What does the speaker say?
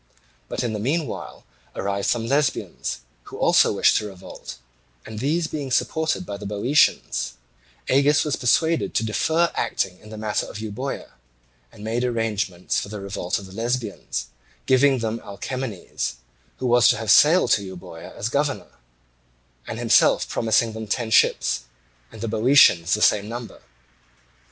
But in the meanwhile arrived some Lesbians, who also wished to revolt; and these being supported by the Boeotians, Agis was persuaded to defer acting in the matter of Euboea, and made arrangements for the revolt of the Lesbians, giving them Alcamenes, who was to have sailed to Euboea, as governor, and himself promising them ten ships, and the Boeotians the same number.